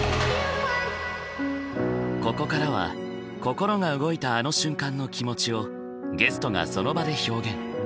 ここからは心が動いたあの瞬間の気持ちをゲストがその場で表現。